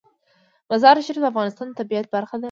مزارشریف د افغانستان د طبیعت برخه ده.